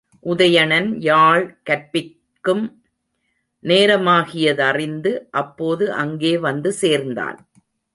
உதயணன் யாழ் கற்பிக்கும் நேரமாகியதறிந்து அப்போது அங்கே வந்து சேர்ந்தான்.